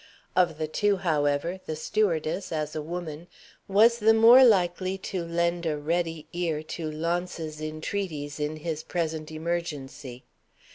Of the two, however, the stewardess, as a woman, was the more likely to lend a ready ear to Launce's entreaties in his present emergency.